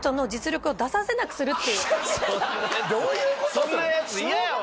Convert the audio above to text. それそんなヤツ嫌やわ